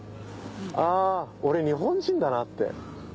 「あぁ俺日本人だな」って。